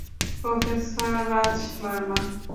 Professor Raj Verma.